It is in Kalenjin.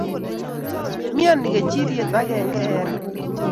Imnyani kechiriet akenge eng ra